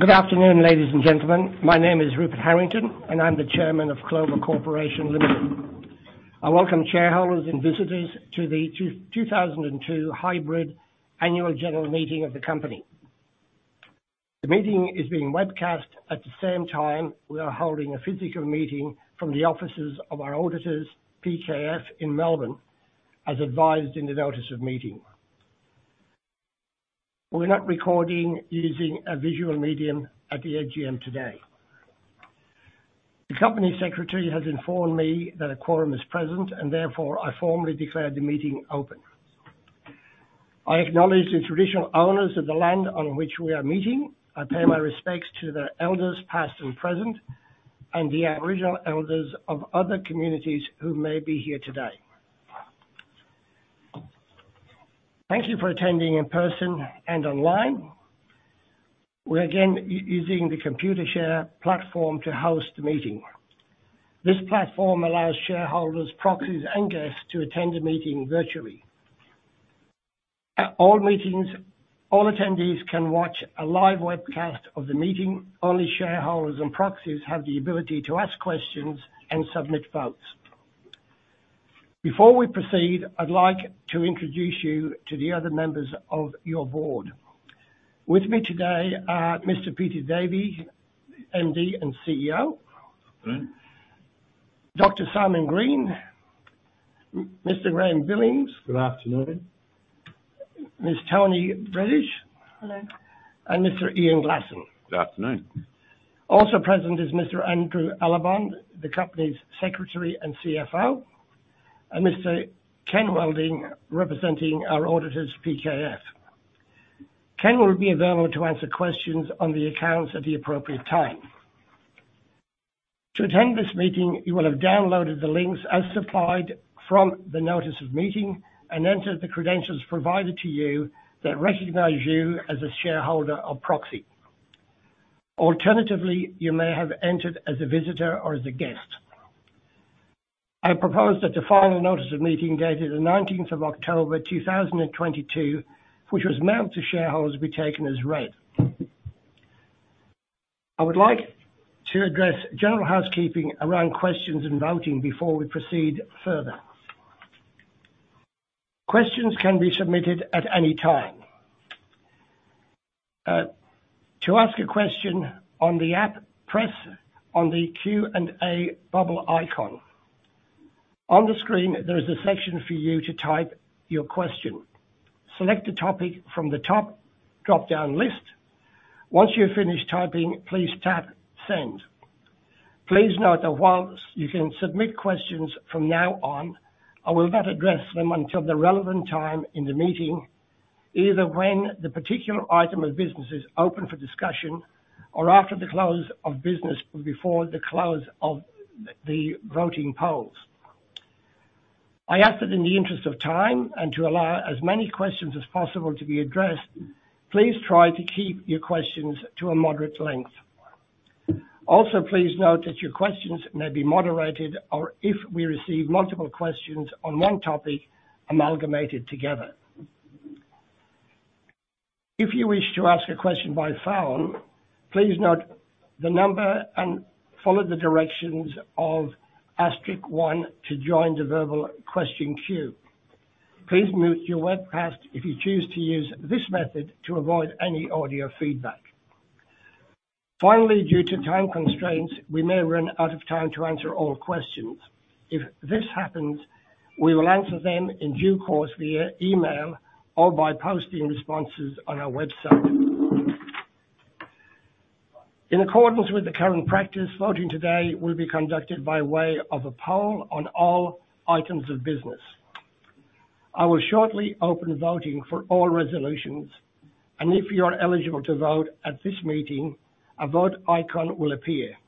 Good afternoon, ladies and gentlemen. My name is Rupert Harrington, and I'm the Chairman of Clover Corporation Limited. I welcome shareholders and visitors to the 2022 hybrid annual general meeting of the company. The meeting is being webcast. At the same time, we are holding a physical meeting from the offices of our auditors, PKF in Melbourne, as advised in the notice of meeting. We're not recording using a visual medium at the AGM today. The company secretary has informed me that a quorum is present, and therefore I formally declare the meeting open. I acknowledge the traditional owners of the land on which we are meeting. I pay my respects to the elders past and present, and the original elders of other communities who may be here today. Thank you for attending in person and online. We're again using the Computershare platform to host the meeting. This platform allows shareholders, proxies, and guests to attend the meeting virtually. At all meetings, all attendees can watch a live webcast of the meeting. Only shareholders and proxies have the ability to ask questions and submit votes. Before we proceed, I'd like to introduce you to the other members of your board. With me today are Mr. Peter Davey, MD and CEO. Good. Dr. Simon Green. Mr. Graeme Billings. Good afternoon. Ms. Toni Brendish. Hello. Mr. Ian Glasson. Good afternoon. Also present is Mr. Andrew Allibon, the Company Secretary and CFO. Mr. Ken Welding, representing our auditors, PKF. Ken will be available to answer questions on the accounts at the appropriate time. To attend this meeting, you will have downloaded the links as supplied from the notice of meeting and entered the credentials provided to you that recognize you as a shareholder or proxy. Alternatively, you may have entered as a visitor or as a guest. I propose that the final notice of meeting dated the 19th of October 2022, which was mailed to shareholders, be taken as read. I would like to address general housekeeping around questions and voting before we proceed further. Questions can be submitted at any time. To ask a question on the app, press on the Q&A bubble icon. On the screen, there is a section for you to type your question. Select a topic from the top drop-down list. Once you're finished typing, please tap Send. Please note that while you can submit questions from now on, I will not address them until the relevant time in the meeting, either when the particular item of business is open for discussion or after the close of business before the close of the voting polls. I ask that in the interest of time and to allow as many questions as possible to be addressed, please try to keep your questions to a moderate length. Please note that your questions may be moderated or if we receive multiple questions on one topic, amalgamated together. If you wish to ask a question by phone, please note the number and follow the directions of asterisk one to join the verbal question queue. Please mute your webcast if you choose to use this method to avoid any audio feedback. Finally, due to time constraints, we may run out of time to answer all questions. If this happens, we will answer them in due course via email or by posting responses on our website. In accordance with the current practice, voting today will be conducted by way of a poll on all items of business. I will shortly open voting for all resolutions, and if you are eligible to vote at this meeting, a vote icon will appear.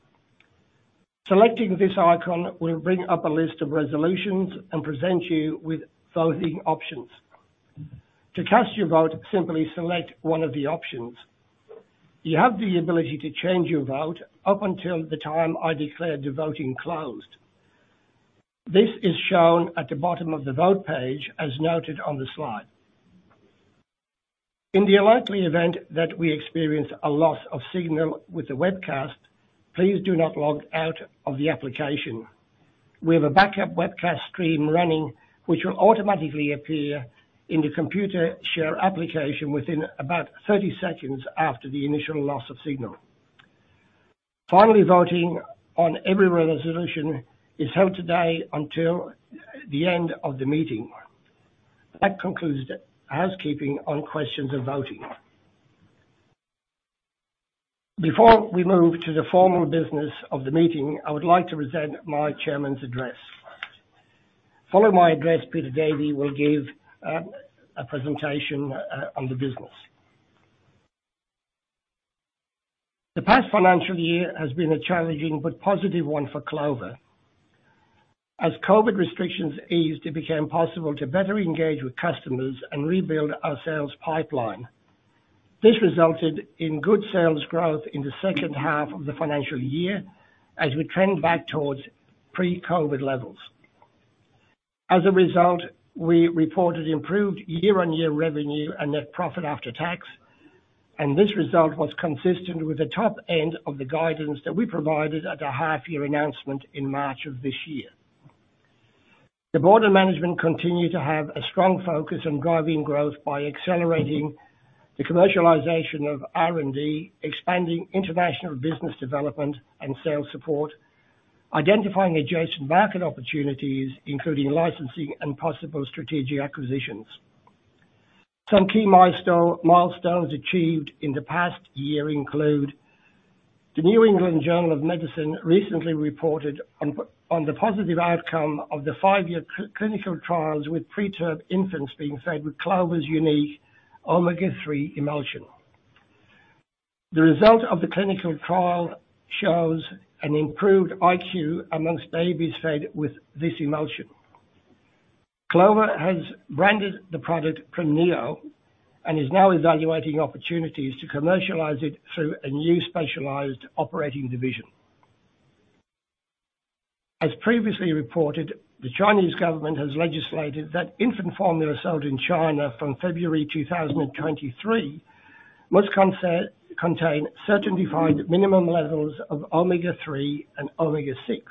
Selecting this icon will bring up a list of resolutions and present you with voting options. To cast your vote, simply select one of the options. You have the ability to change your vote up until the time I declare the voting closed. This is shown at the bottom of the vote page as noted on the slide. In the unlikely event that we experience a loss of signal with the webcast, please do not log out of the application. We have a backup webcast stream running, which will automatically appear in the Computershare application within about 30 seconds after the initial loss of signal. Voting on every resolution is held today until the end of the meeting. That concludes the housekeeping on questions and voting. Before we move to the formal business of the meeting, I would like to present my chairman's address. Following my address, Peter Davey will give a presentation on the business. The past financial year has been a challenging but positive one for Clover. As COVID-19 restrictions eased, it became possible to better engage with customers and rebuild our sales pipeline. This resulted in good sales growth in the second half of the financial year as we trend back towards pre-COVID-19 levels. As a result, we reported improved year-on-year revenue and net profit after tax, and this result was consistent with the top end of the guidance that we provided at our half-year announcement in March of this year. The board and management continue to have a strong focus on driving growth by accelerating the commercialization of R&D, expanding international business development and sales support, identifying adjacent market opportunities, including licensing and possible strategic acquisitions. Some key milestones achieved in the past year include: The New England Journal of Medicine recently reported on the positive outcome of the five year clinical trials with preterm infants being fed with Clover's unique omega three emulsion. The result of the clinical trial shows an improved IQ amongst babies fed with this emulsion. Clover has branded the product Premneo and is now evaluating opportunities to commercialize it through a new specialized operating division. As previously reported, the Chinese government has legislated that infant formula sold in China from February 2023 must contain certain defined minimum levels of omega three and omega six.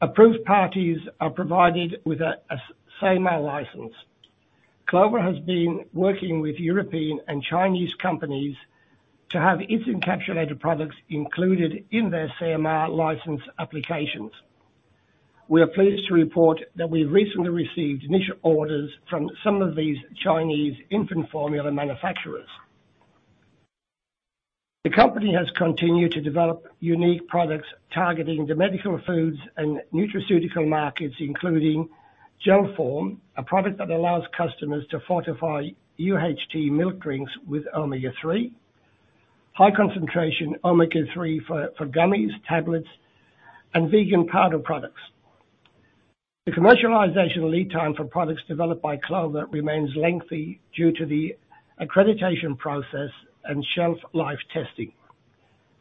Approved parties are provided with a CMR license. Clover has been working with European and Chinese companies to have its encapsulated products included in their CMR license applications. We are pleased to report that we recently received initial orders from some of these Chinese infant formula manufacturers. The company has continued to develop unique products targeting the medical foods and nutraceutical markets, including Gelphorm, a product that allows customers to fortify UHT milk drinks with omega three, high concentration omega three for gummies, tablets, and vegan powder products. The commercialization lead time for products developed by Clover remains lengthy due to the accreditation process and shelf life testing.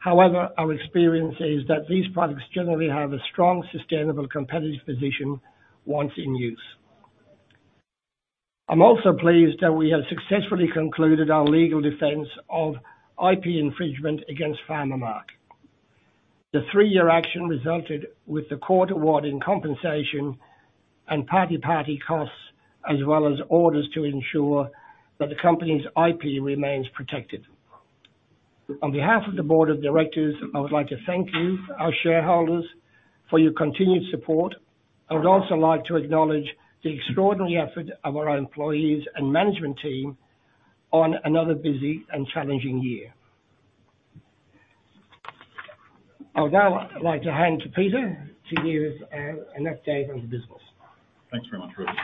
Our experience is that these products generally have a strong, sustainable competitive position once in use. I'm also pleased that we have successfully concluded our legal defense of IP infringement against Pharmamark. The three year action resulted with the court awarding compensation and party party costs, as well as orders to ensure that the company's IP remains protected. On behalf of the board of directors, I would like to thank you, our shareholders, for your continued support. I would also like to acknowledge the extraordinary effort of our employees and management team on another busy and challenging year. I would now like to hand to Peter to give us an update on the business. Thanks very much, Rupert.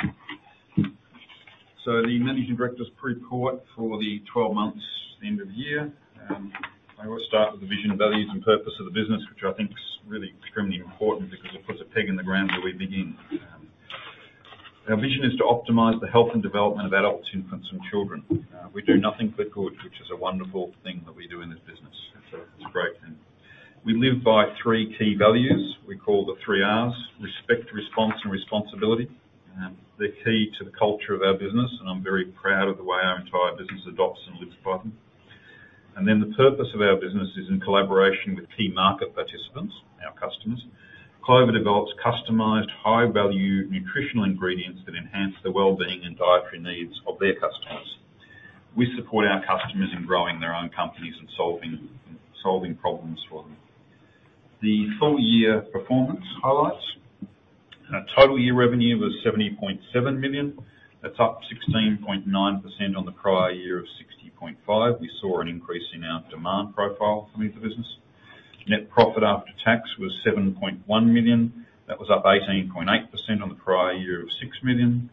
The Managing Director's pre-report for the 12 months end of year, I always start with the vision, values, and purpose of the business, which I think is really extremely important because it puts a peg in the ground where we begin. Our vision is to optimize the health and development of adults, infants, and children. We do nothing but good, which is a wonderful thing that we do in this business. It's great. We live by three key values we call the three Rs: respect, response, and responsibility. They're key to the culture of our business, I'm very proud of the way our entire business adopts and lives by them. The purpose of our business is in collaboration with key market participants, our customers. Clover develops customized high-value nutritional ingredients that enhance the wellbeing and dietary needs of their customers. We support our customers in growing their own companies and solving problems for them. The full year performance highlights. Our total year revenue was 70.7 million. That's up 16.9% on the prior year of 60.5 million. We saw an increase in our demand profile coming through the business. Net profit after tax was 7.1 million. That was up 18.8% on the prior year of 6 million.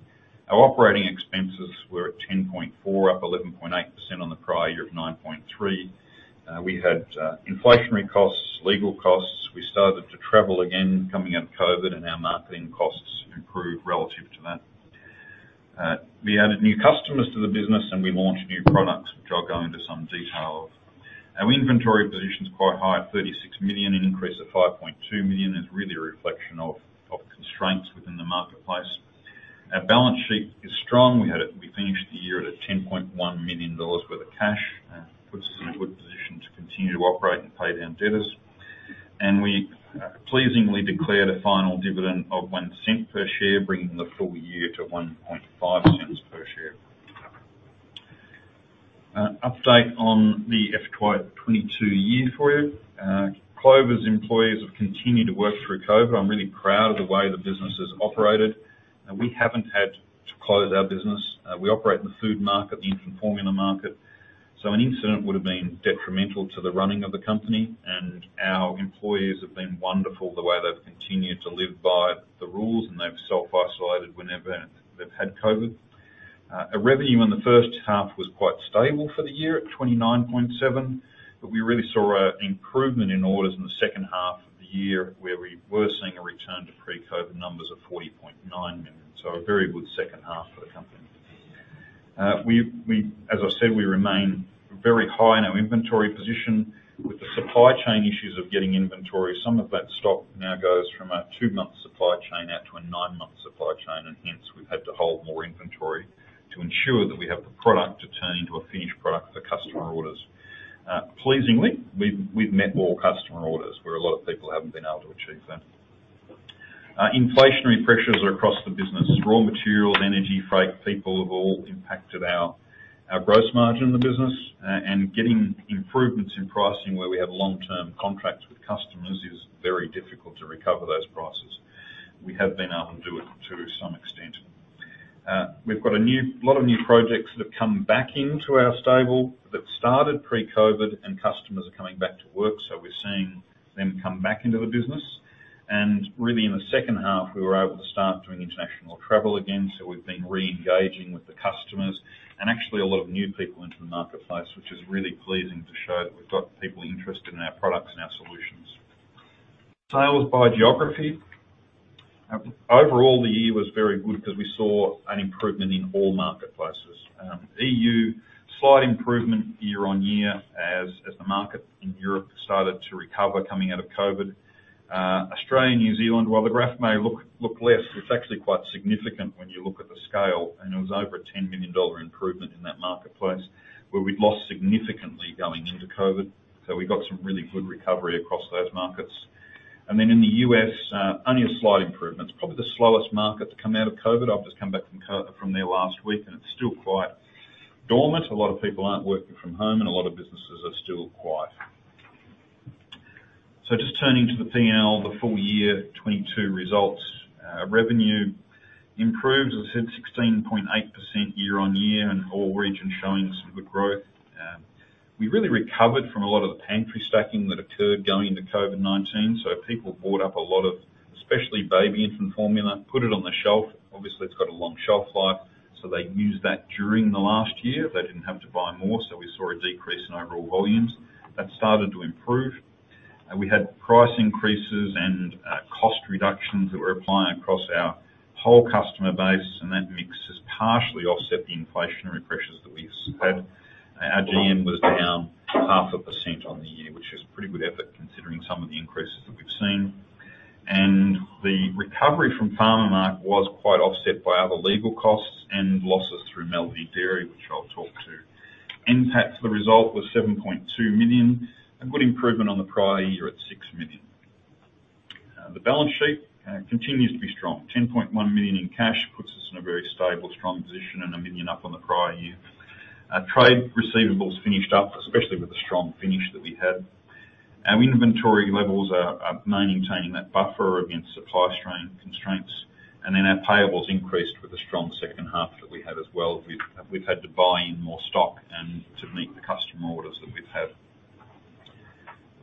Our operating expenses were at 10.4 million, up 11.8% on the prior year of 9.3 million. We had inflationary costs, legal costs. We started to travel again coming out of COVID, and our marketing costs improved relative to that. We added new customers to the business, we launched new products, which I'll go into some detail of. Our inventory position is quite high at 36 million, an increase of 5.2 million. It's really a reflection of constraints within the marketplace. Our balance sheet is strong. We finished the year at 10.1 million dollars worth of cash. Puts us in a good position to continue to operate and pay down debtors. We pleasingly declared a final dividend of 0.01 per share, bringing the full year to 0.015 per share. Update on the FY2022 year for you. Clover's employees have continued to work through COVID. I'm really proud of the way the business has operated. We haven't had to close our business. We operate in the food market, the infant formula market, so an incident would have been detrimental to the running of the company. Our employees have been wonderful the way they've continued to live by the rules, and they've self-isolated whenever they've had COVID. Our revenue in the first half was quite stable for the year at 29.7 million, we really saw an improvement in orders in the second half of the year, where we were seeing a return to pre-COVID numbers of 40.9 million. A very good second half for the company. As I said, we remain very high in our inventory position. With the supply chain issues of getting inventory, some of that stock now goes from a two-month supply chain out to a a nine-month supply chain, and hence we've had to hold more inventory to ensure that we have the product to turn into a finished product for customer orders. Pleasingly, we've met more customer orders where a lot of people haven't been able to achieve that. Inflationary pressures are across the business. Raw material, energy, freight, people have all impacted our gross margin in the business. And getting improvements in pricing where we have long-term contracts with customers is very difficult to recover those prices. We have been able to do it to some extent. We've got a new... lot of new projects that have come back into our stable that started pre-COVID. Customers are coming back to work, so we're seeing them come back into the business. Really in the second half we were able to start doing international travel again, so we've been re-engaging with the customers and actually a lot of new people into the marketplace, which is really pleasing to show that we've got people interested in our products and our solutions. Sales by geography. Overall the year was very good because we saw an improvement in all marketplaces. EU, slight improvement year-on-year as the market in Europe started to recover coming out of COVID. Australia and New Zealand, while the graph may look less, it's actually quite significant when you look at the scale, it was over a 10 million dollar improvement in that marketplace where we'd lost significantly going into COVID. We got some really good recovery across those markets. In the U.S., only a slight improvement. It's probably the slowest market to come out of COVID. I've just come back from there last week, it's still quite dormant. A lot of people aren't working from home and a lot of businesses are still quiet. Just turning to the P&L, the FY2022 results. Revenue improved, as I said, 16.8% year on year all regions showing some good growth. We really recovered from a lot of the pantry stacking that occurred going into COVID-19. People bought up a lot of, especially baby infant formula, put it on the shelf. Obviously, it's got a long shelf life, so they used that during the last year. They didn't have to buy more, so we saw a decrease in overall volumes. That started to improve. We had price increases and cost reductions that we're applying across our whole customer base and that mix has partially offset the inflationary pressures that we've had. Our GM was down 0.5% on the year, which is pretty good effort considering some of the increases that we've seen. The recovery from Pharmamark was quite offset by other legal costs and losses through Melody Dairies, which I'll talk to. NPAT, the result was 7.2 million, a good improvement on the prior year at 6 million. The balance sheet continues to be strong. 10.1 million in cash puts us in a very stable, strong position and 1 million up on the prior year. Our trade receivables finished up, especially with the strong finish that we had. Our inventory levels are maintaining that buffer against supply strain constraints. Our payables increased with the strong second half that we had as well. We've had to buy in more stock and to meet the customer orders that we've had.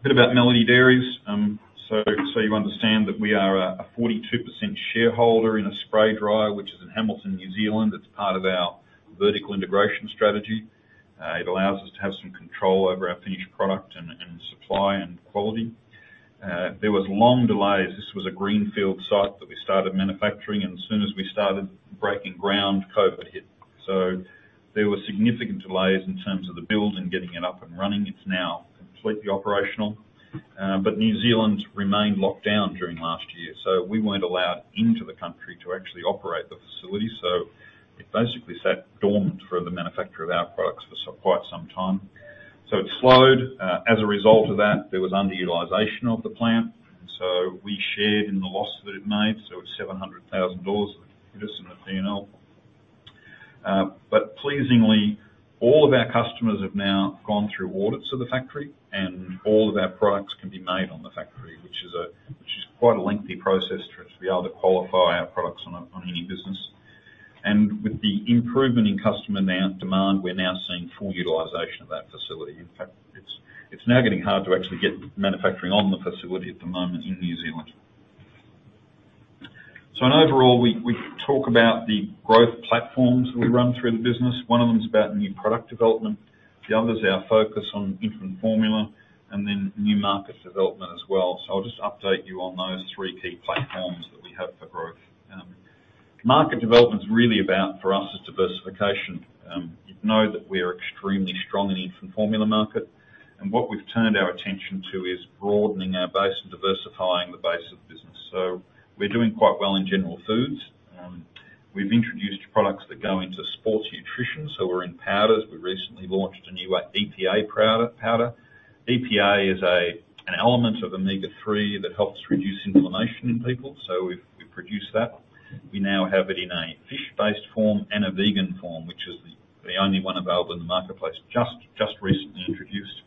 A bit about Melody Dairies. You understand that we are a 42% shareholder in a spray dryer, which is in Hamilton, New Zealand. It's part of our vertical integration strategy. It allows us to have some control over our finished product and supply and quality. There was long delays. This was a greenfield site that we started manufacturing and as soon as we started breaking ground, COVID hit. There were significant delays in terms of the build and getting it up and running. It's now completely operational. New Zealand remained locked down during last year, we weren't allowed into the country to actually operate the facility. It basically sat dormant for the manufacture of our products for quite some time. It slowed. As a result of that, there was underutilization of the plant. We shared in the loss that it made, it was 700,000 dollars that hit us in the P&L. Pleasingly, all of our customers have now gone through audits of the factory and all of our products can be made on the factory, which is quite a lengthy process for us to be able to qualify our products on any business. With the improvement in customer now demand, we're now seeing full utilization of that facility. In fact, it's now getting hard to actually get manufacturing on the facility at the moment in New Zealand. In overall, we talk about the growth platforms that we run through the business. One of them is about new product development, the other is our focus on infant formula, new market development as well. I'll just update you on those three key platforms that we have for growth. Market development is really about, for us, is diversification. You know that we're extremely strong in infant formula market and what we've turned our attention to is broadening our base and diversifying the base of the business. We're doing quite well in general foods. We've introduced products that go into sports nutrition, so we're in powders. We recently launched a new EPA powder. EPA is an element of omega three that helps reduce inflammation in people, so we've produced that. We now have it in a fish-based form and a vegan form, which is the only one available in the marketplace, just recently introduced.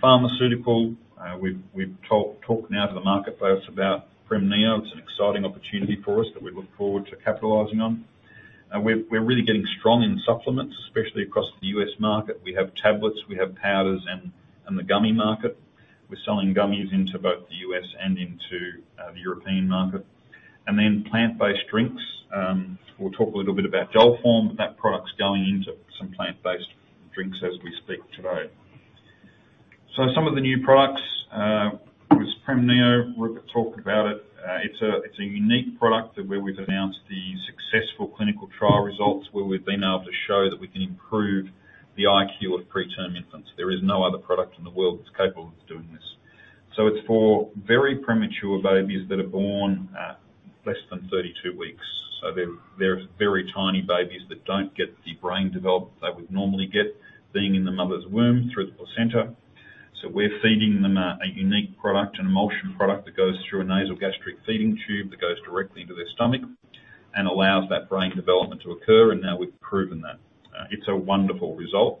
Pharmaceutical, we've talked now to the marketplace about Premneo. It's an exciting opportunity for us that we look forward to capitalizing on. We're really getting strong in supplements, especially across the U.S. market. We have tablets, we have powders and the gummy market. We're selling gummies into both the U.S. and into the European market. Then plant-based drinks. We'll talk a little bit about Gelphorm, but that product's going into some plant-based drinks as we speak. Some of the new products was Premneo. Rupert talked about it. It's a unique product where we've announced the successful clinical trial results, where we've been able to show that we can improve the IQ of preterm infants. There is no other product in the world that's capable of doing this. It's for very premature babies that are born at less than 32 weeks. They're very tiny babies that don't get the brain development they would normally get being in the mother's womb through the placenta. We're feeding them a unique product, an emulsion product that goes through a nasal gastric feeding tube that goes directly into their stomach and allows that brain development to occur, and now we've proven that. It's a wonderful result,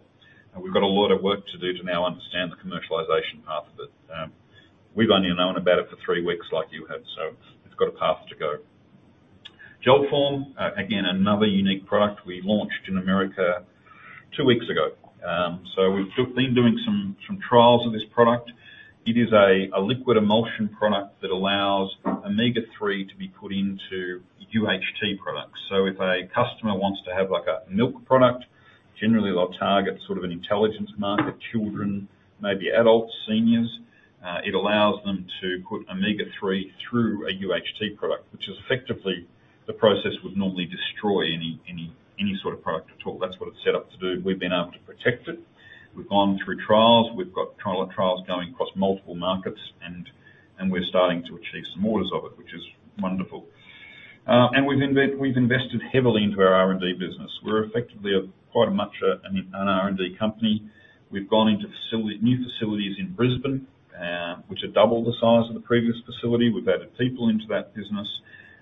and we've got a lot of work to do to now understand the commercialization path of it. We've only known about it for three weeks like you have, so it's got a path to go. Gelphorm, again, another unique product we launched in America two weeks ago. We've been doing some trials of this product. It is a liquid emulsion product that allows omega-3 to be put into UHT products. If a customer wants to have, like, a milk product, generally they'll target sort of an intelligence market, children, maybe adults, seniors. It allows them to put Omega-3 through a UHT product, which is effectively the process would normally destroy any sort of product at all. That's what it's set up to do. We've been able to protect it. We've gone through trials. We've got trials going across multiple markets and we're starting to achieve some orders of it, which is wonderful. We've invested heavily into our R&D business. We're effectively a, quite much a, an R&D company. We've gone into new facilities in Brisbane, which are double the size of the previous facility. We've added people into that business,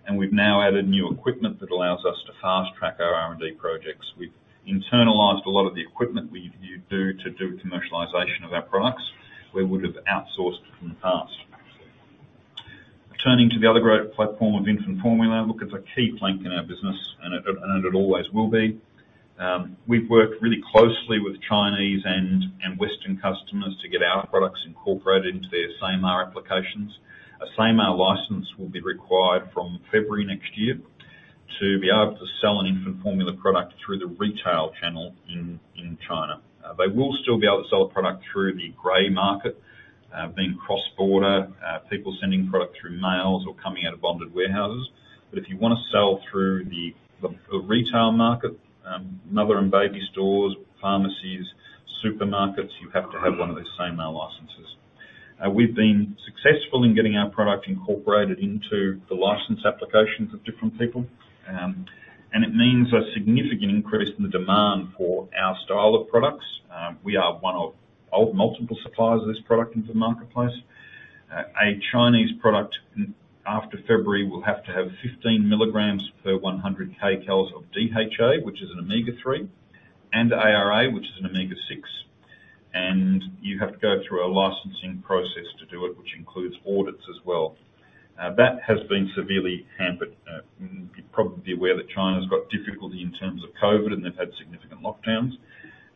and we've now added new equipment that allows us to fast-track our R&D projects. We've internalized a lot of the equipment you do to do with commercialization of our products, where we would've outsourced it in the past. Turning to the other growth platform of infant formula, look, it's a key plank in our business and it always will be. We've worked really closely with Chinese and Western customers to get our products incorporated into their SAMR applications. A SAMR license will be required from February next year to be able to sell an infant formula product through the retail channel in China. They will still be able to sell a product through the gray market, being cross-border, people sending product through mails or coming out of bonded warehouses. If you want to sell through the retail market, mother and baby stores, pharmacies, supermarkets, you have to have one of these SAMR licenses. We've been successful in getting our product incorporated into the license applications of different people, and it means a significant increase in the demand for our style of products. We are one of multiple suppliers of this product into the marketplace. A Chinese product after February will have to have 15 milligrams per 100 kcals of DHA, which is an omega-3, and ARA, which is an omega-6, and you have to go through a licensing process to do it, which includes audits as well. That has been severely hampered. You're probably aware that China's got difficulty in terms of COVID, and they've had significant lockdowns,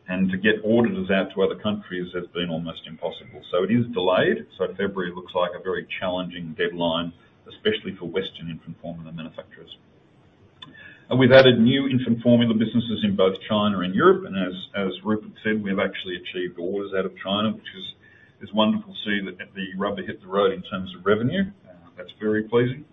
and to get auditors out to other countries has been almost impossible. It is delayed. February looks like a very challenging deadline, especially for Western infant formula manufacturers. We've added new infant formula businesses in both China and Europe, as Rupert said, we've actually achieved orders out of China, which is wonderful to see the rubber hit the road in terms of revenue. That's very pleasing.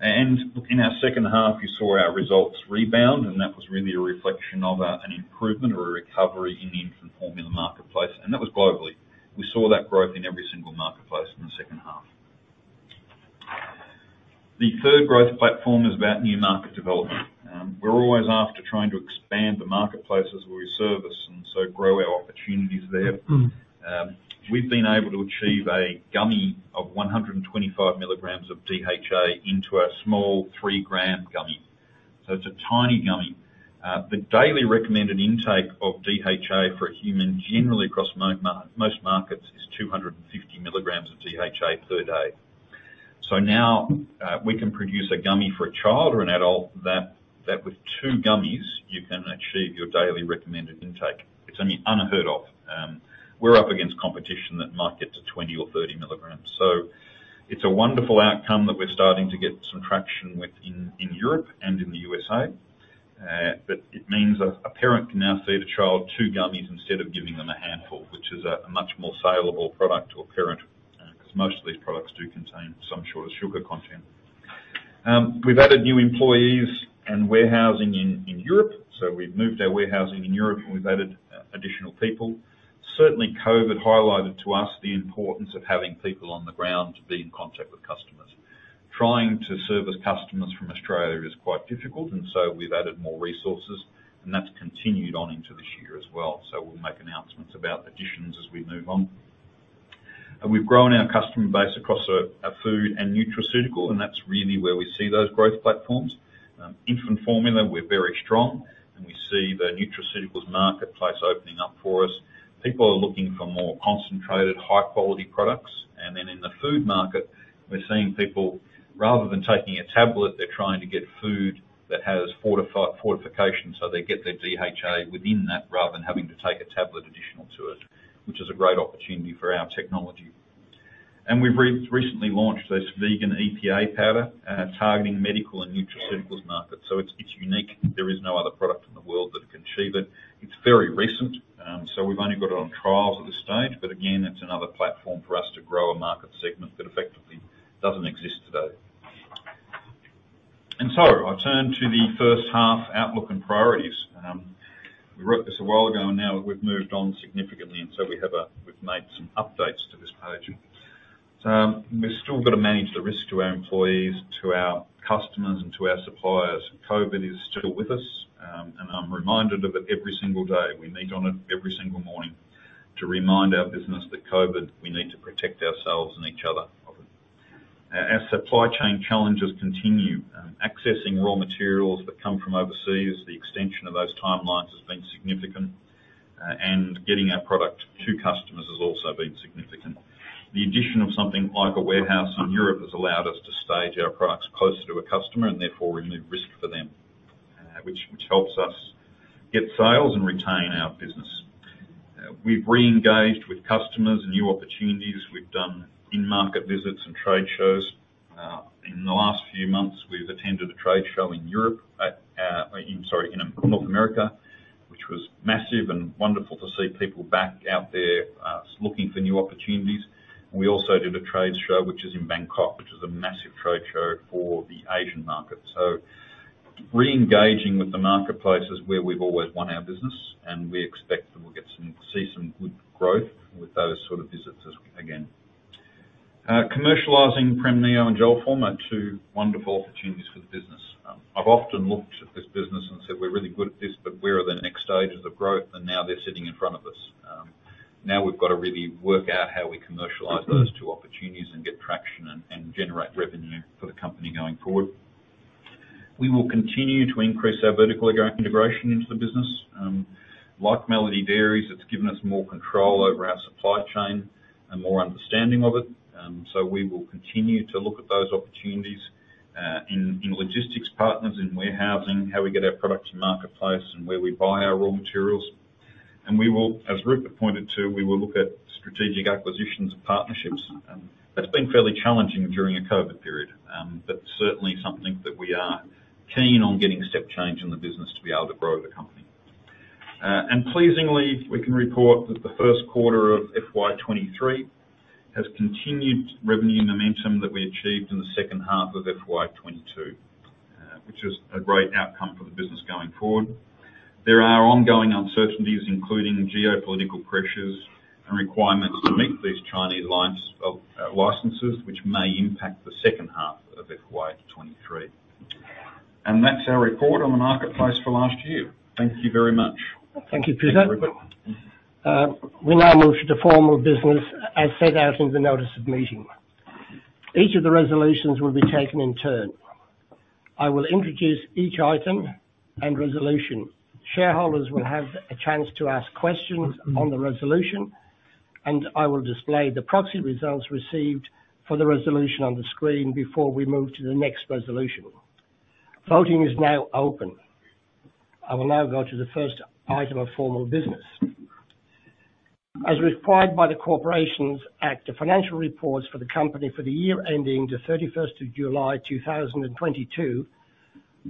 In our second half, you saw our results rebound, and that was really a reflection of an improvement or a recovery in the infant formula marketplace, and that was globally. We saw that growth in every single marketplace in the second half. The third growth platform is about new market development. We're always after trying to expand the marketplaces where we service and so grow our opportunities there. We've been able to achieve a gummy of 125 milligrams of DHA into a small 3-gram gummy. So it's a tiny gummy. The daily recommended intake of DHA for a human generally across most markets is 250 milligrams of DHA per day. Now, we can produce a gummy for a child or an adult that with two gummies you can achieve your daily recommended intake. It's only unheard of. We're up against competition that might get to 20 or 30 mg. It's a wonderful outcome that we're starting to get some traction with in Europe and in the USA. But it means a parent can now feed a child two gummies instead of giving them a handful, which is a much more saleable product to a parent, 'cause most of these products do contain some sort of sugar content. We've added new employees and warehousing in Europe. We've moved our warehousing in Europe, and we've added additional people. Certainly, COVID highlighted to us the importance of having people on the ground to be in contact with customers. Trying to service customers from Australia is quite difficult, we've added more resources and that's continued on into this year as well. We'll make announcements about additions as we move on. We've grown our customer base across food and nutraceutical, and that's really where we see those growth platforms. Infant formula, we're very strong, and we see the nutraceuticals marketplace opening up for us. People are looking for more concentrated, high quality products. In the food market we're seeing people, rather than taking a tablet, they're trying to get food that has fortification, so they get their DHA within that rather than having to take a tablet additional to it, which is a great opportunity for our technology. We've recently launched this vegan EPA powder, targeting medical and nutraceuticals market. It's unique. There is no other product in the world that can achieve it. It's very recent, so we've only got it on trials at this stage. Again, it's another platform for us to grow a market segment that effectively doesn't exist today. I turn to the first half outlook and priorities. We wrote this a while ago, now we've moved on significantly, we've made some updates to this page. We've still got to manage the risk to our employees, to our customers, and to our suppliers. COVID is still with us, and I'm reminded of it every single day. We meet on it every single morning to remind our business that COVID, we need to protect ourselves and each other of it. Our supply chain challenges continue. Accessing raw materials that come from overseas, the extension of those timelines has been significant, and getting our product to customers has also been significant. The addition of something like a warehouse in Europe has allowed us to stage our products closer to a customer and therefore remove risk for them, which helps us get sales and retain our business. We've re-engaged with customers and new opportunities. We've done in-market visits and trade shows. In the last few months, we've attended a trade show in Europe in North America, which was massive and wonderful to see people back out there looking for new opportunities. We also did a trade show which is in Bangkok, which is a massive trade show for the Asian market. Re-engaging with the marketplace is where we've always won our business, and we expect that we'll see some good growth with those sort of visits as again. Commercializing Premneo and Gelphorm are two wonderful opportunities for the business. I've often looked at this business and said, "We're really good at this, but where are the next stages of growth?" Now they're sitting in front of us. Now we've got to really work out how we commercialize those two opportunities and get traction and generate revenue for the company going forward. We will continue to increase our vertical integration into the business. Like Melody Dairies, it's given us more control over our supply chain and more understanding of it. We will continue to look at those opportunities in logistics partners, in warehousing, how we get our product to marketplace, and where we buy our raw materials. We will, as Rupert pointed to, we will look at strategic acquisitions and partnerships. That's been fairly challenging during a COVID period, certainly something that we are keen on getting step change in the business to be able to grow the company. Pleasingly, we can report that the first quarter of FY2023 has continued revenue momentum that we achieved in the second half of FY2022, which is a great outcome for the business going forward. There are ongoing uncertainties, including geopolitical pressures and requirements to meet these Chinese licenses, which may impact the second half of FY2023. That's our report on the marketplace for last year. Thank you very much. Thank you, Peter. Thanks, Rupert. We now move to the formal business as set out in the notice of meeting. Each of the resolutions will be taken in turn. I will introduce each item and resolution. Shareholders will have a chance to ask questions on the resolution, and I will display the proxy results received for the resolution on the screen before we move to the next resolution. Voting is now open. I will now go to the first item of formal business. As required by the Corporations Act, the financial reports for the company for the year ending the 31st of July 2022,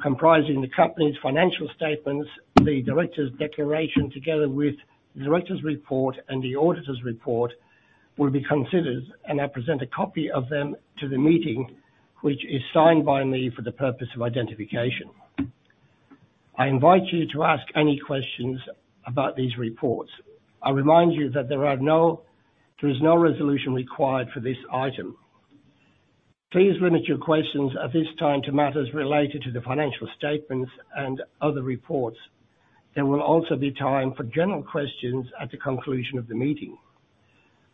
comprising the company's financial statements, the director's declaration, together with the director's report and the auditor's report, will be considered, and I present a copy of them to the meeting, which is signed by me for the purpose of identification. I invite you to ask any questions about these reports. I remind you that there is no resolution required for this item. Please limit your questions at this time to matters related to the financial statements and other reports. There will also be time for general questions at the conclusion of the meeting.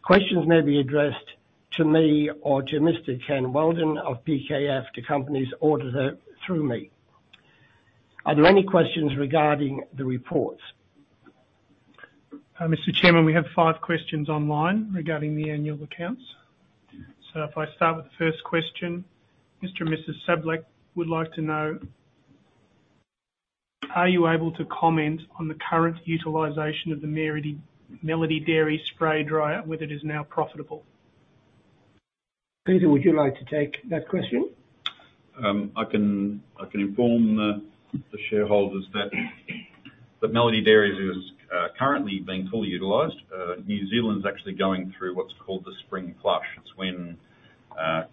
Questions may be addressed to me or to Mr. Ken Weldon of PKF, the company's auditor, through me. Are there any questions regarding the reports? Mr. Chairman, we have five questions online regarding the annual accounts. If I start with the first question, Mr. and Mrs. Sablik would like to know, are you able to comment on the current utilization of the Melody Dairies spray dryer, whether it is now profitable? Peter, would you like to take that question? I can inform the shareholders that the Melody Dairies is currently being fully utilized. New Zealand is actually going through what's called the spring flush. It's when the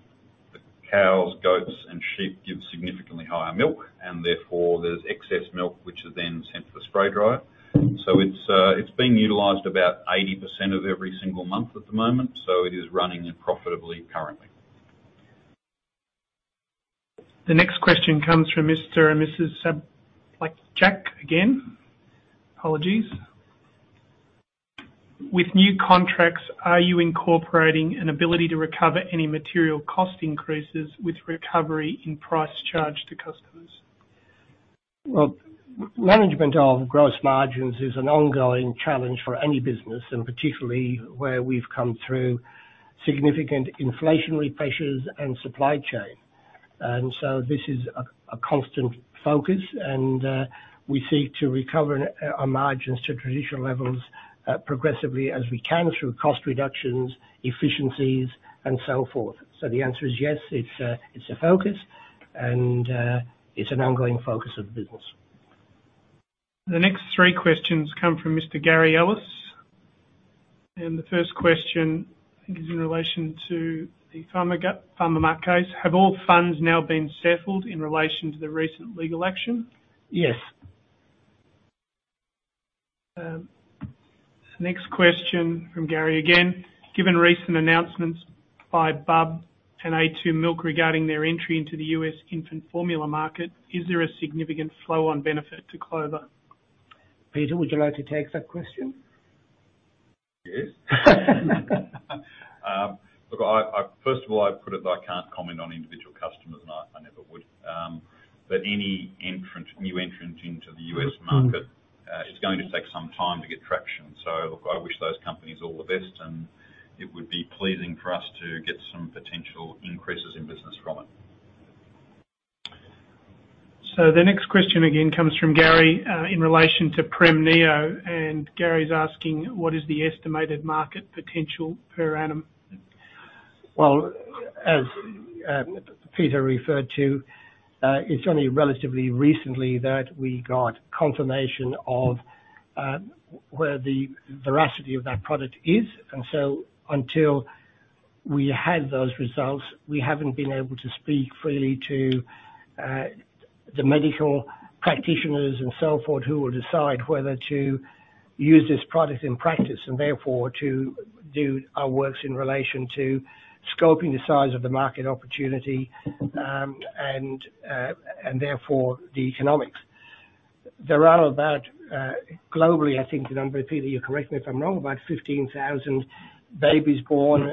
cows, goats, and sheep give significantly higher milk, and therefore there's excess milk, which is then sent to the spray dryer. It's being utilized about 80% of every single month at the moment, so it is running profitably currently. The next question comes from Mr. and Mrs. Sablik. Jack, again. Apologies. With new contracts, are you incorporating an ability to recover any material cost increases with recovery in price charged to customers? Well, management of gross margins is an ongoing challenge for any business, and particularly where we've come through significant inflationary pressures and supply chain. This is a constant focus, and we seek to recover our margins to traditional levels progressively as we can through cost reductions, efficiencies and so forth. The answer is yes, it's a focus, and it's an ongoing focus of the business. The next 3 questions come from Mr. Gary Ellis. The first question, I think, is in relation to the Farmer-FarmerMac case. Have all funds now been settled in relation to the recent legal action? Yes. Next question from Gary again. Given recent announcements by Bubs and A2 Milk regarding their entry into the U.S. infant formula market, is there a significant flow on benefit to Clover? Peter, would you like to take that question? Yes. Look, I First of all, I put it that I can't comment on individual customers, and I never would. Any entrant, new entrant into the U.S. market, it's going to take some time to get traction. Look, I wish those companies all the best, and it would be pleasing for us to get some potential increases in business from it. The next question again comes from Gary in relation to Premneo. Gary's asking: What is the estimated market potential per annum? Well, as Peter referred to, it's only relatively recently that we got confirmation of where the veracity of that product is. Until we had those results, we haven't been able to speak freely to the medical practitioners and so forth who will decide whether to use this product in practice, and therefore to do our works in relation to scoping the size of the market opportunity, and therefore the economics. There are about globally, I think, and I'm gonna repeat it, you correct me if I'm wrong, about 15,000 babies born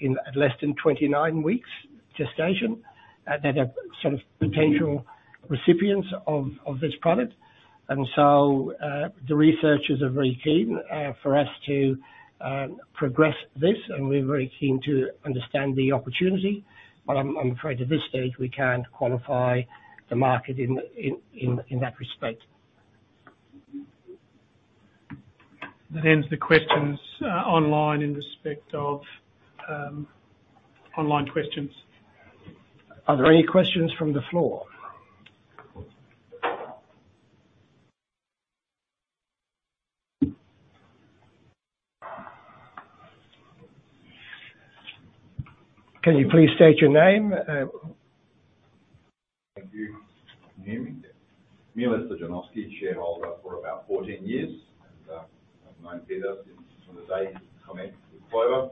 in less than 29 weeks gestation that are sort of potential recipients of this product. The researchers are very keen for us to progress this, and we're very keen to understand the opportunity, but I'm afraid at this stage, we can't qualify the market in that respect. That ends the questions, online in respect of, online questions. Are there any questions from the floor? Can you please state your name... Thank you. Neil Stojanovski, shareholder for about 14 years. I've known Peter since from the day he commenced with Clover,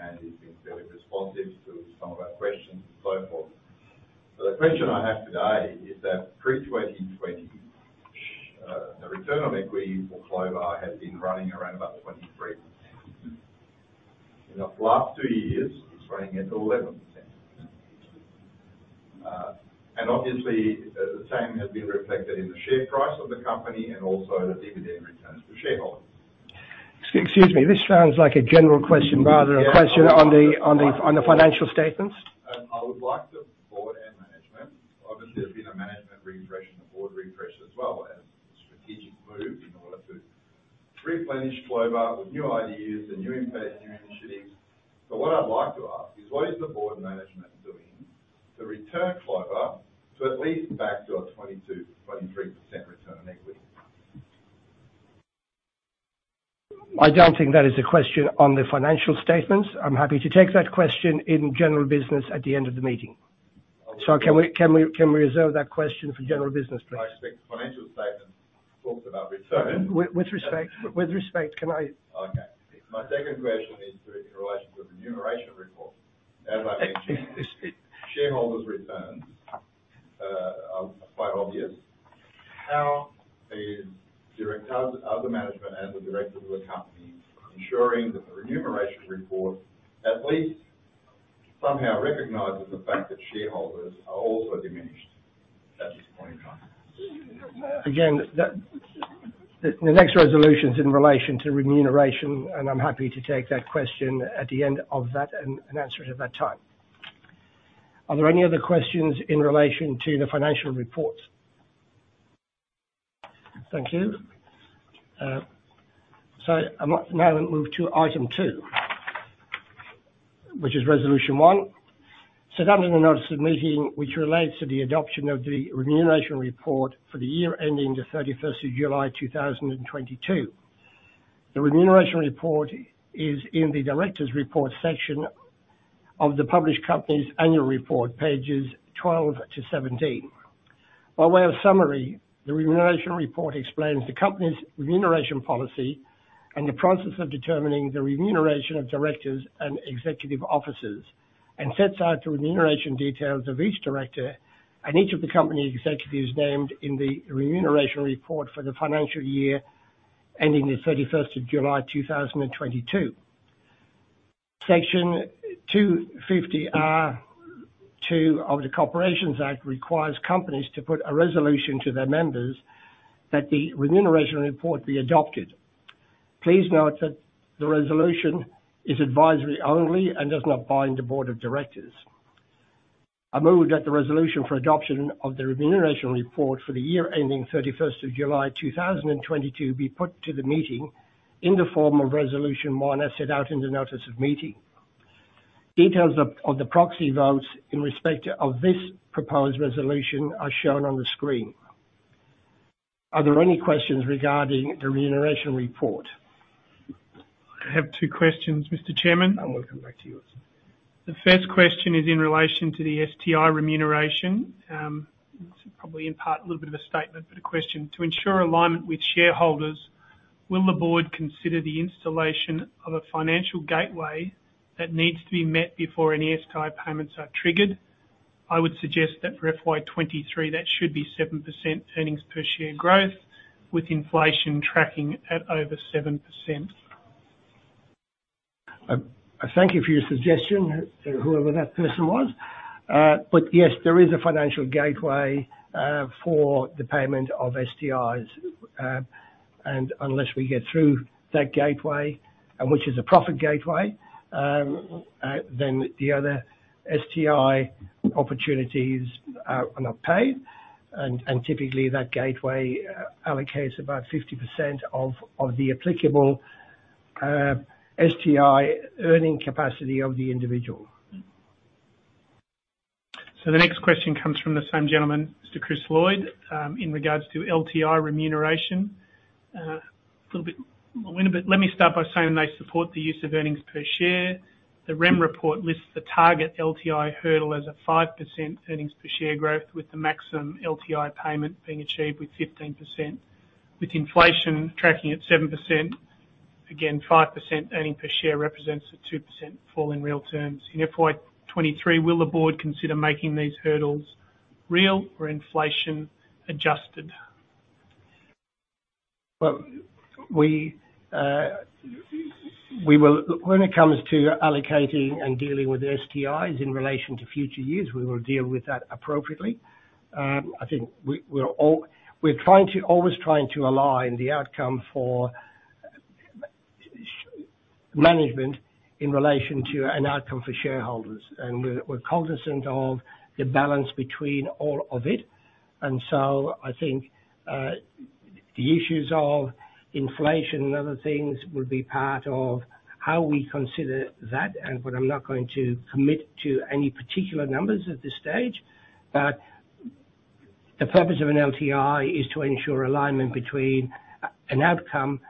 and he's been fairly responsive to some of our questions and so forth. The question I have today is that pre-2020, the return on equity for Clover had been running around about 23%. In the last two years, it's running at 11%. Obviously, the same has been reflected in the share price of the company and also the dividend returns to shareholders. Excuse me. This sounds like a general question rather than a question on the. Yeah. on the financial statements. I would like the board and management. Obviously, there's been a management refresh and the board refresh as well and strategic move in order to replenish Clover with new ideas and new initiatives. What I'd like to ask is what is the board management doing to return Clover to at least back to a 22%-23% return on equity? I don't think that is a question on the financial statements. I'm happy to take that question in general business at the end of the meeting. Okay. Can we reserve that question for general business, please? I expect the financial statement talks about return. With respect. Okay. My second question is in relation to the remuneration report. As I understand shareholders' returns are quite obvious. How is directors, other management and the directors of the company ensuring that the remuneration report at least somehow recognizes the fact that shareholders are also diminished at this point in time? Again, the next resolution is in relation to remuneration, and I'm happy to take that question at the end of that and answer it at that time. Are there any other questions in relation to the financial report? Thank you. I might now move to item two, which is resolution one. Set out in the notice of the meeting, which relates to the adoption of the remuneration report for the year ending the 31st of July 2022. The remuneration report is in the Directors' Report section of the published company's Annual Report, pages 12-17. By way of summary, the remuneration report explains the company's remuneration policy and the process of determining the remuneration of directors and executive officers and sets out the remuneration details of each director and each of the company executives named in the remuneration report for the financial year ending the 31st of July 2022. Section 250R(2) of the Corporations Act requires companies to put a resolution to their members that the remuneration report be adopted. Please note that the resolution is advisory only and does not bind the board of directors. I move that the resolution for adoption of the remuneration report for the year ending 31st of July 2022 be put to the meeting in the form of Resolution one, as set out in the notice of meeting. Details of the proxy votes in respect of this proposed resolution are shown on the screen. Are there any questions regarding the remuneration report? I have two questions, Mr. Chairman. Welcome back to you, sir. The first question is in relation to the STI remuneration. This is probably in part a little bit of a statement, but a question. To ensure alignment with shareholders, will the board consider the installation of a financial gateway that needs to be met before any STI payments are triggered? I would suggest that for FY23, that should be 7% earnings per share growth, with inflation tracking at over 7%. I thank you for your suggestion, whoever that person was. Yes, there is a financial gateway for the payment of STIs. Unless we get through that gateway, which is a profit gateway, then the other STI opportunities are not paid. Typically that gateway allocates about 50% of the applicable STI earning capacity of the individual. The next question comes from the same gentleman, Mr. Chris Lloyd, in regards to LTI remuneration. A little bit longer, but let me start by saying I support the use of earnings per share. The REM report lists the target LTI hurdle as a 5% earnings per share growth, with the maximum LTI payment being achieved with 15%. With inflation tracking at 7%, again, 5% earning per share represents a 2% fall in real terms. In FY2023, will the board consider making these hurdles real or inflation adjusted? Well, we When it comes to allocating and dealing with STIs in relation to future years, we will deal with that appropriately. I think we're always trying to align the outcome for management in relation to an outcome for shareholders. We're cognizant of the balance between all of it. I think the issues of inflation and other things will be part of how we consider that. I'm not going to commit to any particular numbers at this stage. The purpose of an LTI is to ensure alignment between an outcome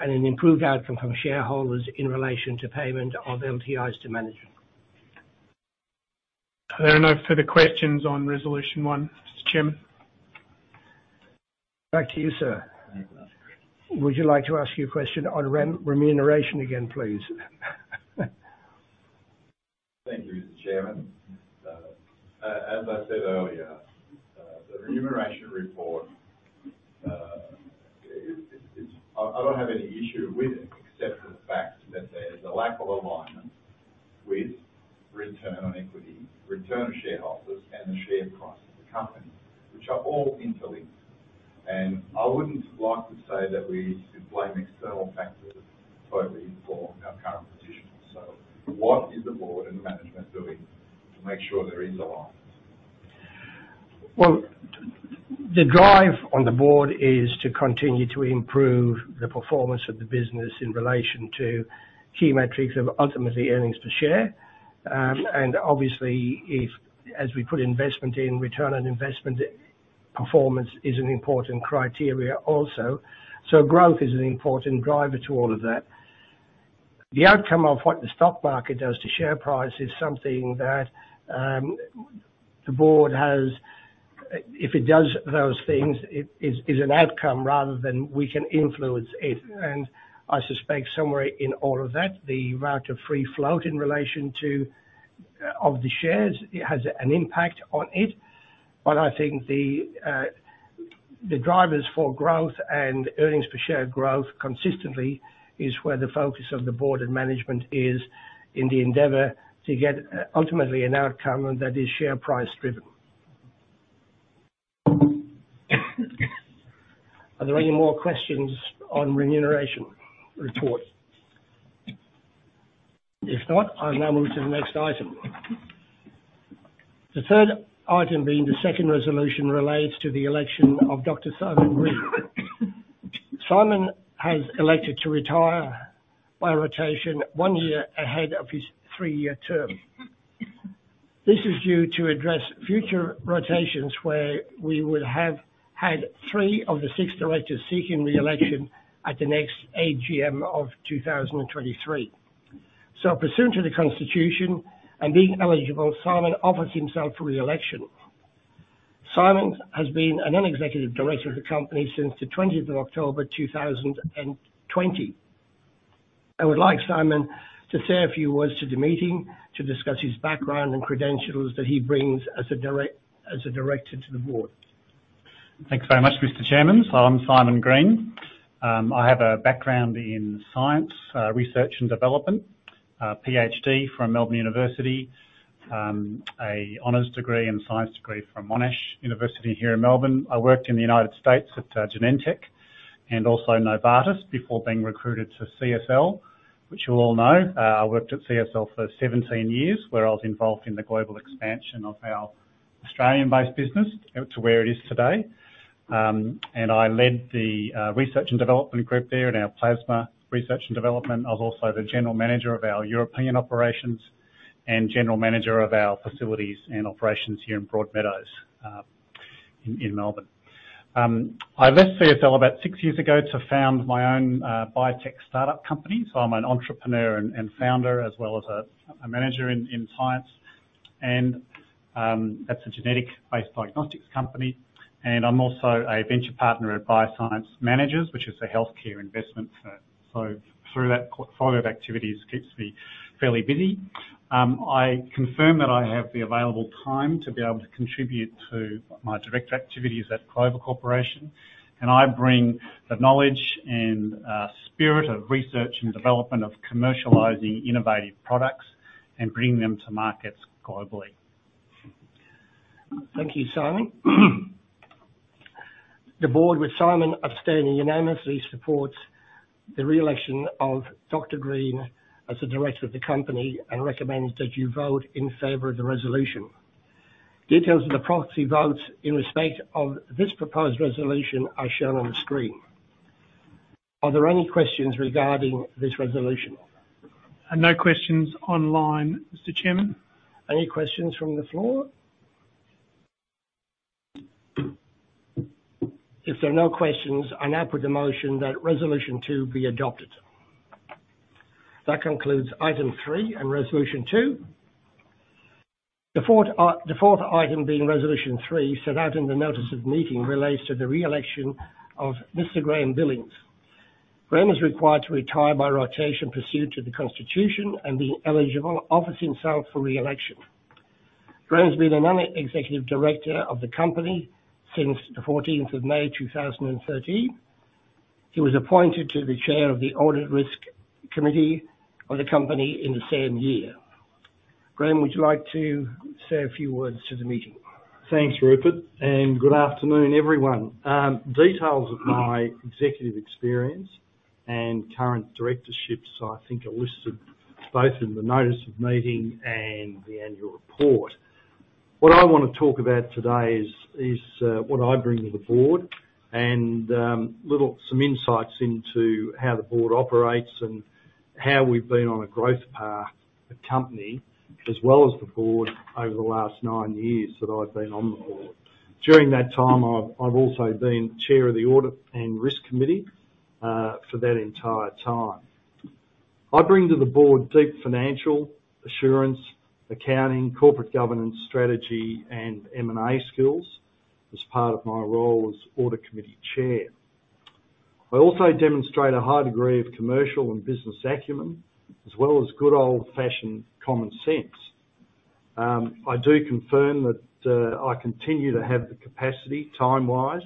and an improved outcome from shareholders in relation to payment of LTIs to management. There are no further questions on resolution one, Mr. Chairman. Back to you, sir. Thank you. Would you like to ask your question on remuneration again, please? Thank you, Mr. Chairman. As I said earlier, the remuneration report, it's... I don't have any issue with it except for the fact that there is a lack of alignment with return on equity, return of shareholders and the share price of the company, which are all interlinked. I wouldn't like to say that we should blame external factors totally for our current position. What is the board and management doing to make sure there is alignment? Well, the drive on the board is to continue to improve the performance of the business in relation to key metrics of ultimately earnings per share. Obviously, if as we put investment in, return on investment performance is an important criteria also. Growth is an important driver to all of that. The outcome of what the stock market does to share price is something that the board has, if it does those things, it is an outcome rather than we can influence it. I suspect somewhere in all of that, the route of free float in relation to of the shares has an impact on it. I think the drivers for growth and earnings per share growth consistently is where the focus of the board and management is in the endeavor to get ultimately an outcome that is share price driven. Are there any more questions on remuneration report? If not, I now move to the next item. The third item being the second resolution relates to the election of Dr. Simon Green. Simon has elected to retire by rotation one year ahead of his threeyear term. This is due to address future rotations where we will have had three of the six directors seeking re-election at the next AGM of 2023. Pursuant to the Constitution and being eligible, Simon offers himself for re-election. Simon has been an executive director of the company since the 20th of October 2020. I would like Simon to say a few words to the meeting to discuss his background and credentials that he brings as a director to the board. Thanks very much, Mr. Chairman. I'm Simon Green. I have a background in science, research and development. A PhD from University of Melbourne, a honors degree and science degree from Monash University here in Melbourne. I worked in the United States at Genentech and also Novartis before being recruited to CSL, which you all know. I worked at CSL for 17 years, where I was involved in the global expansion of our Australian-based business out to where it is today. I led the research and development group there in our plasma research and development. I was also the general manager of our European operations and general manager of our facilities and operations here in Broadmeadows, in Melbourne. I left CSL about 6 years ago to found my own biotech startup company. I'm an entrepreneur and founder as well as a manager in science and that's a genetic-based diagnostics company. I'm also a venture partner at Bioscience Managers, which is a healthcare investment firm. Through that portfolio of activities keeps me fairly busy. I confirm that I have the available time to be able to contribute to my director activities at Clover Corporation, and I bring the knowledge and spirit of research and development of commercializing innovative products and bringing them to markets globally. Thank you, Simon. The board, with Simon abstaining, unanimously supports the reelection of Dr. Green as a director of the company and recommends that you vote in favor of the resolution. Details of the proxy votes in respect of this proposed resolution are shown on the screen. Are there any questions regarding this resolution? No questions online, Mr. Chairman. Any questions from the floor? If there are no questions, I now put the motion that Resolution two be adopted. That concludes Item three and Resolution two. The fourth item being Resolution three, set out in the notice of meeting, relates to the reelection of Mr. Graeme Billings. Graeme is required to retire by rotation pursuant to the Constitution and being eligible, offers himself for reelection. Graeme has been a non-executive director of the company since the 14th of May, 2013. He was appointed to the chair of the Audit & Risk Committee of the company in the same year. Graeme, would you like to say a few words to the meeting? Thanks, Rupert. Good afternoon, everyone. Details of my executive experience and current directorships, I think are listed both in the notice of meeting and the annual report. I wanna talk about today is what I bring to the board and some insights into how the board operates and how we've been on a growth path, the company, as well as the board over the last nine years that I've been on the board. During that time, I've also been chair of the Audit and Risk Committee for that entire time. I bring to the board deep financial assurance, accounting, corporate governance, strategy, and M&A skills as part of my role as Audit Committee chair. I also demonstrate a high degree of commercial and business acumen, as well as good old-fashioned common sense. I do confirm that I continue to have the capacity, time-wise,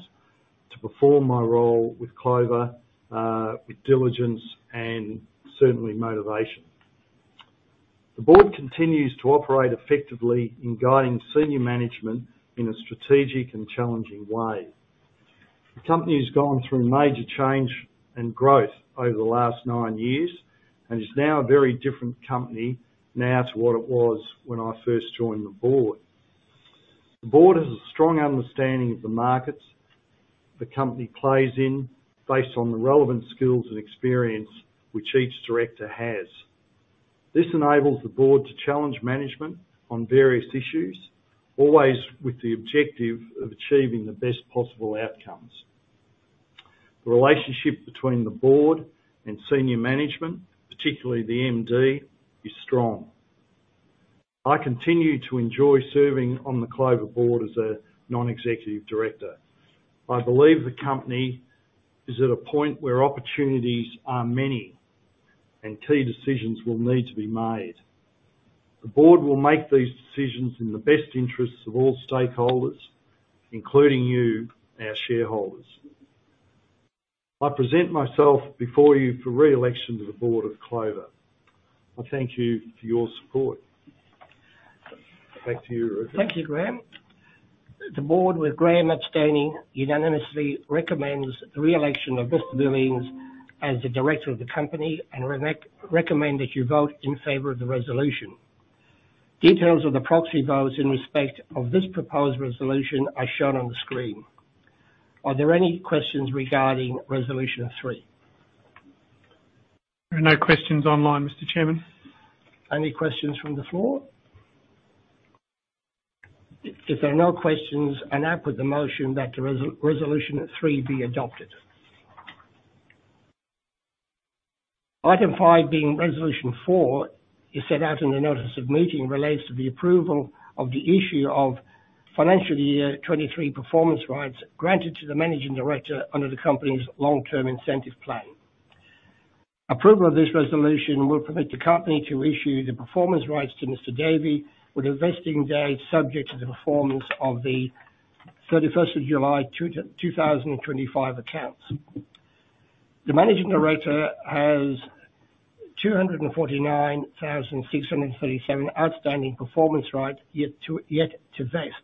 to perform my role with Clover, with diligence and certainly motivation. The board continues to operate effectively in guiding senior management in a strategic and challenging way. The company has gone through major change and growth over the last nine years and is now a very different company now to what it was when I first joined the board. The board has a strong understanding of the markets the company plays in based on the relevant skills and experience which each director has. This enables the board to challenge management on various issues, always with the objective of achieving the best possible outcomes. The relationship between the board and senior management, particularly the MD, is strong. I continue to enjoy serving on the Clover board as a non-executive director. I believe the company is at a point where opportunities are many and key decisions will need to be made. The board will make these decisions in the best interests of all stakeholders, including you, our shareholders. I present myself before you for reelection to the board of Clover. I thank you for your support. Back to you, Rupert. Thank you, Graeme. The board, with Graeme abstaining, unanimously recommends the reelection of Mr. Billings as a director of the company and recommend that you vote in favor of the resolution. Details of the proxy votes in respect of this proposed resolution are shown on the screen. Are there any questions regarding resolution three? There are no questions online, Mr. Chairman. Any questions from the floor? If there are no questions, I now put the motion that resolution three be adopted. Item five, being resolution four, is set out in the notice of meeting, relates to the approval of the issue of FY2023 performance rights granted to the Managing Director under the company's long-term incentive plan. Approval of this resolution will permit the company to issue the performance rights to Mr. Davey with a vesting date subject to the performance of the 31st July 2025 accounts. The Managing Director has 249,637 outstanding performance rights yet to vest.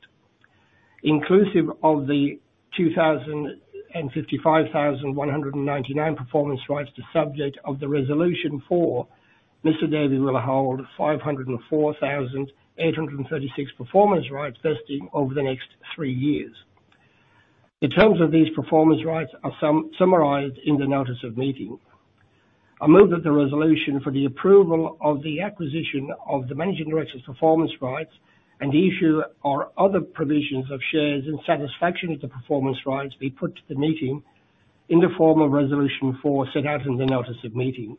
Inclusive of the 57,199 performance rights, the subject of the resolution for Mr. Davey will hold 504,836 performance rights vesting over the next three years. The terms of these performance rights are summarized in the notice of meeting. I move that the resolution for the approval of the acquisition of the Managing Director's performance rights and the issue or other provisions of shares and satisfaction of the performance rights be put to the meeting in the form of Resolution 4 set out in the notice of meeting.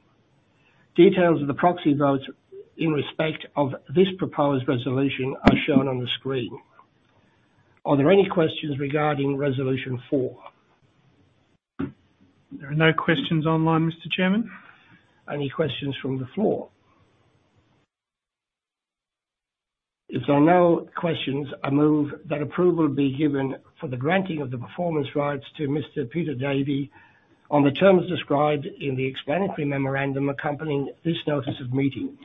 Details of the proxy votes in respect of this proposed resolution are shown on the screen. Are there any questions regarding Resolution four? There are no questions online, Mr. Chairman. Any questions from the floor? If there are no questions, I move that approval be given for the granting of the performance rights to Mr. Peter Davey on the terms described in the explanatory memorandum accompanying this notice of meeting.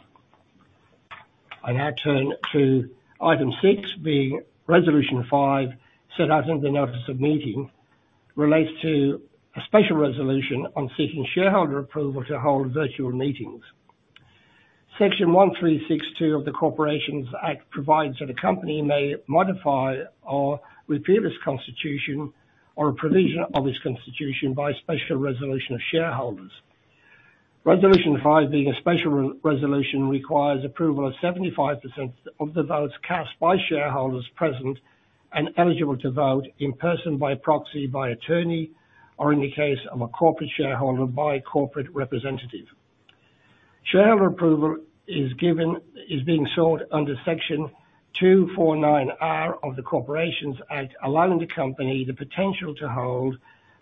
I now turn to item six being Resolution five set out in the notice of meeting, relates to a special resolution on seeking shareholder approval to hold virtual meetings. Section 136(2) of the Corporations Act provides that a company may modify or repeal its constitution or a provision of its constitution by special resolution of shareholders. Resolution five being a special re-resolution, requires approval of 75% of the votes cast by shareholders present and eligible to vote in person by proxy, by attorney, or in the case of a corporate shareholder, by a corporate representative. Shareholder approval is being sought under Section 249R of the Corporations Act, allowing the company the potential to hold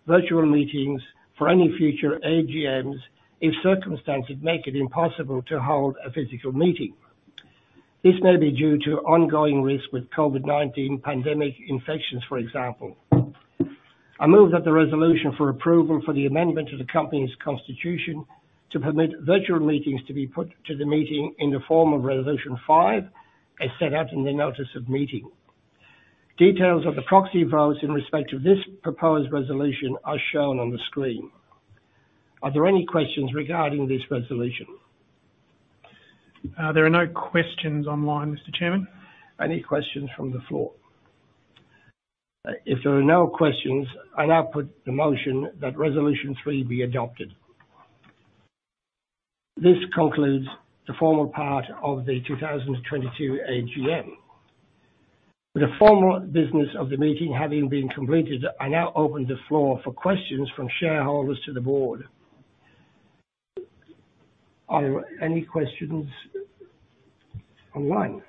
virtual meetings for any future AGMs if circumstances make it impossible to hold a physical meeting. This may be due to ongoing risk with COVID-19 pandemic infections, for example. I move that the resolution for approval for the amendment to the company's constitution to permit virtual meetings to be put to the meeting in the form of resolution five, as set out in the notice of meeting. Details of the proxy votes in respect to this proposed resolution are shown on the screen. Are there any questions regarding this resolution? There are no questions online, Mr. Chairman. Any questions from the floor? If there are no questions, I now put the motion that resolution three be adopted. This concludes the formal part of the 2022 AGM. With the formal business of the meeting having been completed, I now open the floor for questions from shareholders to the board. Are there any questions online?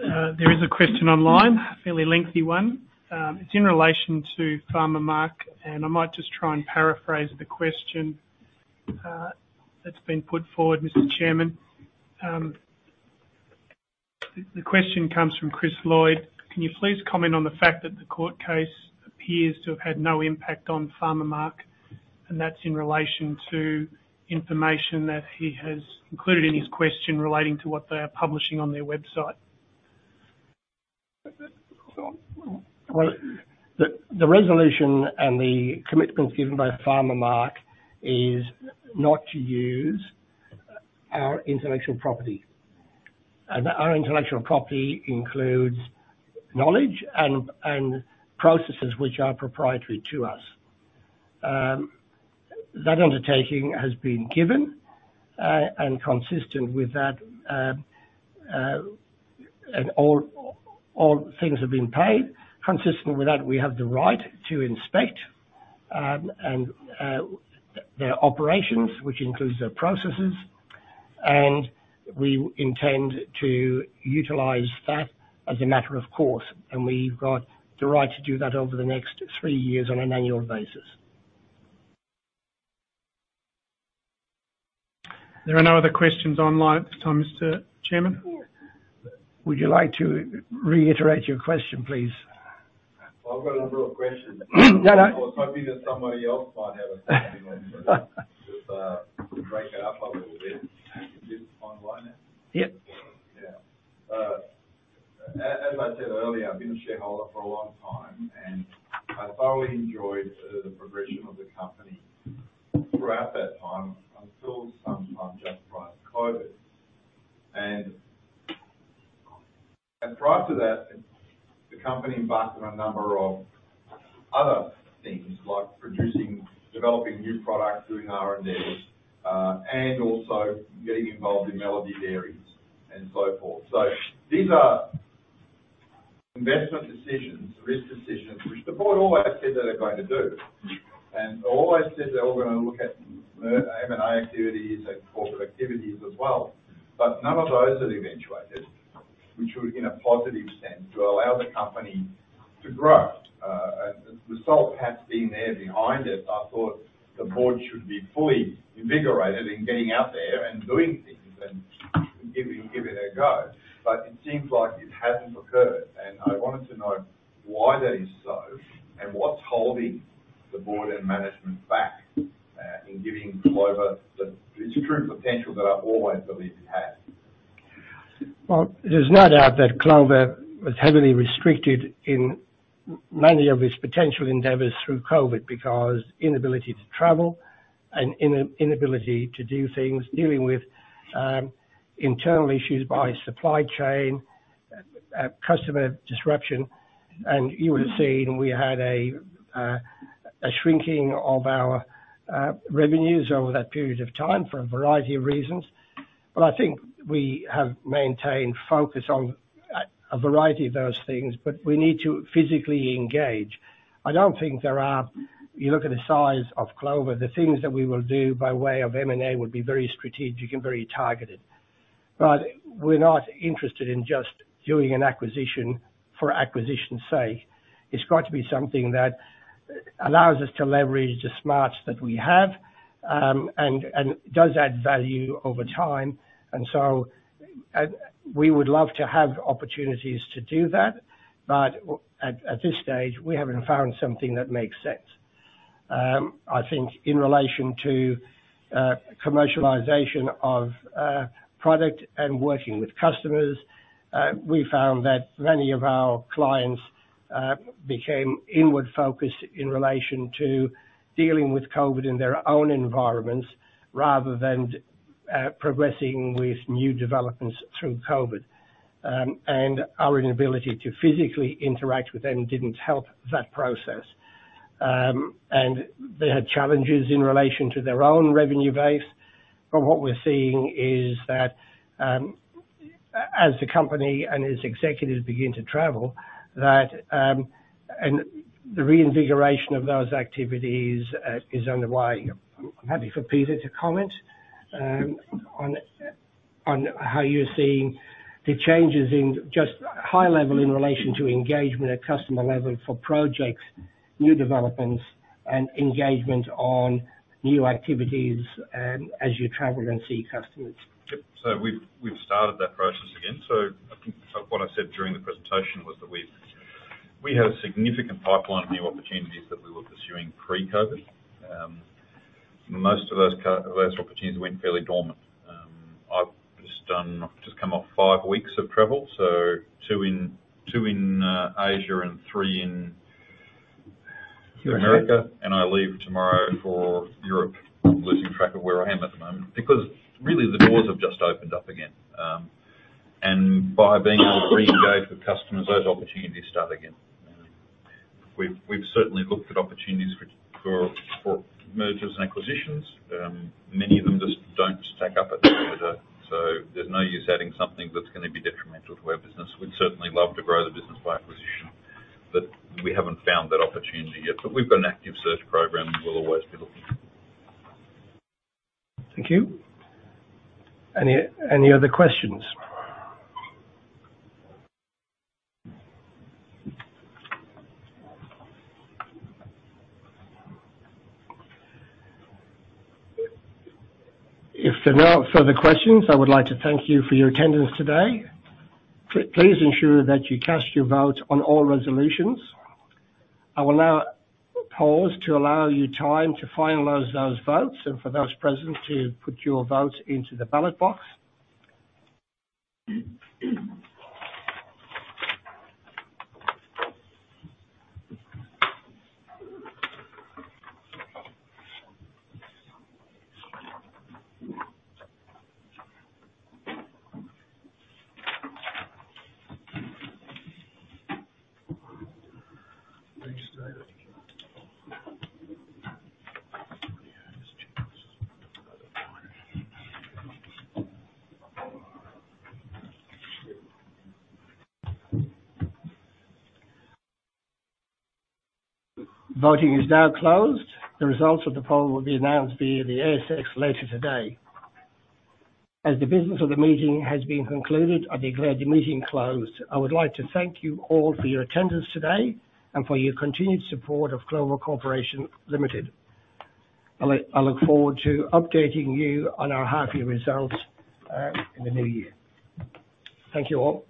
There is a question online, a fairly lengthy one. It's in relation to Pharmamark. I might just try and paraphrase the question, that's been put forward, Mr. Chairman. The question comes from Chris Lloyd. Can you please comment on the fact that the court case appears to have had no impact on Pharmamark? That's in relation to information that he has included in his question relating to what they are publishing on their website. Well, the resolution and the commitments given by Pharmamark is not to use our intellectual property. Our intellectual property includes knowledge and processes which are proprietary to us. That undertaking has been given, and consistent with that, and all things have been paid. Consistent with that, we have the right to inspect, and their operations, which includes their processes, and we intend to utilize that as a matter of course. We've got the right to do that over the next three years on an annual basis. There are no other questions online at this time, Mr. Chairman. Would you like to reiterate your question, please? I've got a real question. I was hoping that somebody else might have a second one just to break it up a little bit. Can you hear me fine right now? Yep. As I said earlier, I've been a shareholder for a long time, and I thoroughly enjoyed the progression of the company throughout that time until sometime just prior to COVID-19. Prior to that, the company embarked on a number of other things like producing, developing new products, doing R&D, and also getting involved in Melody Dairies and so forth. These are investment decisions, risk decisions, which the board always said they were going to do, and always said they were gonna look at M&A activities and corporate activities as well. None of those have eventuated, which would in a positive sense, would allow the company to grow. With Salt have been there behind it, I thought the board should be fully invigorated in getting out there and doing things and giving it a go. It seems like it hasn't occurred, and I wanted to know why that is so, and what's holding the board and management back, in giving Clover the true potential that I've always believed it had. There's no doubt that Clover was heavily restricted in many of its potential endeavors through COVID because inability to travel and inability to do things, dealing with internal issues by supply chain, customer disruption. You would have seen we had a shrinking of our revenues over that period of time for a variety of reasons. I think we have maintained focus on a variety of those things, but we need to physically engage. I don't think there are. You look at the size of Clover, the things that we will do by way of M&A would be very strategic and very targeted. We're not interested in just doing an acquisition for acquisition's sake. It's got to be something that allows us to leverage the smarts that we have, and does add value over time. We would love to have opportunities to do that. At this stage, we haven't found something that makes sense. I think in relation to commercialization of product and working with customers, we found that many of our clients became inward-focused in relation to dealing with COVID in their own environments rather than progressing with new developments through COVID. Our inability to physically interact with them didn't help that process. They had challenges in relation to their own revenue base. What we're seeing is that, as the company and its executives begin to travel, that, and the reinvigoration of those activities is underway. I'm happy for Peter to comment, on how you're seeing the changes in just high level in relation to engagement at customer level for projects, new developments, and engagement on new activities, as you travel and see customers. We've started that process again. I think what I said during the presentation was that we had a significant pipeline of new opportunities that we were pursuing pre-COVID. Most of those opportunities went fairly dormant. I've just come off five weeks of travel, so two in, two in Asia and three in America, and I leave tomorrow for Europe. I'm losing track of where I am at the moment. Really the doors have just opened up again. By being able to reengage with customers, those opportunities start again. We've certainly looked at opportunities for mergers and acquisitions. Many of them just don't stack up at the moment, so there's no use adding something that's gonna be detrimental to our business. We'd certainly love to grow the business by acquisition. We haven't found that opportunity yet. We've got an active search program. We'll always be looking. Thank you. Any other questions? If there are no further questions, I would like to thank you for your attendance today. Please ensure that you cast your vote on all resolutions. I will now pause to allow you time to finalize those votes and for those present to put your votes into the ballot box. Voting is now closed. The results of the poll will be announced via the ASX later today. As the business of the meeting has been concluded, I declare the meeting closed. I would like to thank you all for your attendance today and for your continued support of Clover Corporation Limited. I look forward to updating you on our half year results in the new year. Thank you all.